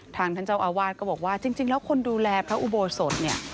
ท่านเจ้าอาวาสก็บอกว่าจริงแล้วคนดูแลพระอุโบสถเนี่ย